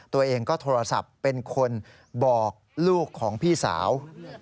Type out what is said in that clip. ตัวเองก็โทรศัพท์เป็นคนบอกลูกของพี่สาว